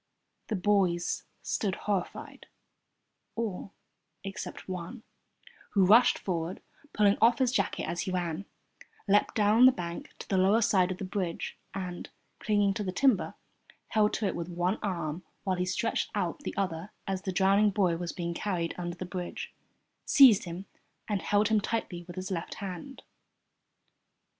The boys stood horrified all except one, who rushed forward, pulling off his jacket as he ran, leapt down the bank to the lower side of the bridge, and, clinging to the timber, held to it with one arm while he stretched out the other as the drowning boy was being carried under the bridge, seized him, and held him tightly with his left hand.